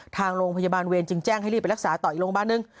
ทางโรงพยาบาลเวรจึงแจ้งให้รีบไปรักษาต่ออีกโรงพยาบาลหนึ่ง